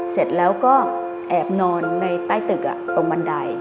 เสร็จแล้วก็แอบนอนในใต้ตึกตรงบันได